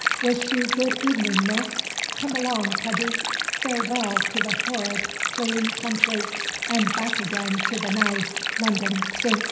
Wish you good evening, Miss. Come along, Puggy! Farewell to the horrid clean country, and back again to the nice London stink!"